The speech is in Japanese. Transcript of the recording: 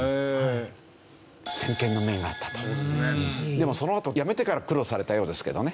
でもそのあと辞めてから苦労されたようですけどね。